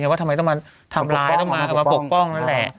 ว่าทำไมต้องมาทำร้ายต้องมาปกป้องนั่นแหละ